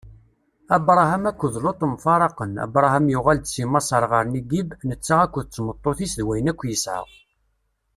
Abṛaham akked Luṭ mfaraqen Abṛaham yuɣal-d si Maṣer ɣer Nigib, netta akked tmeṭṭut-is d wayen akk yesɛa.